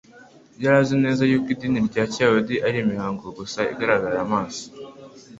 Yari azi neza yuko idini rya kiyuda ari iy'imihango gusa igaragarira amaso,